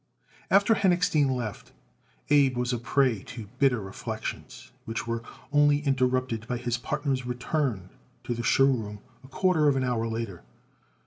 After Henochstein left, Abe was a prey to bitter reflections, which were only interrupted by his partner's return to the show room a quarter of an hour later.